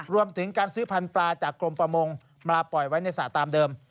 รวมถึงการซื้อพันธุปลาจากกรมประมงมาปล่อยไว้ในสระตามเดิม